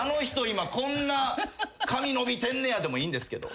今こんな髪伸びてんねやでもいいんですけど。